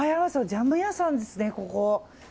ジャム屋さんですね、ここ。